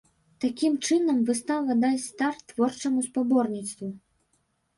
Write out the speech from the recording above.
Такім чынам, выстава дасць старт творчаму спаборніцтву.